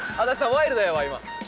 ワイルドやわ